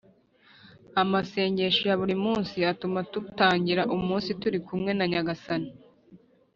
Amasengesho ya buri munsi atuma dutangira umunsi turi kumwe na nyagasani